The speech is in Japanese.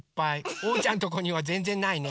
おうちゃんとこにはぜんぜんないね。